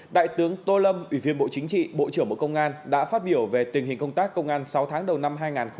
đại tướng tô lâm ủy viên bộ chính trị bộ trưởng bộ công an đã phát biểu về tình hình công tác công an sáu tháng đầu năm hai nghìn hai mươi ba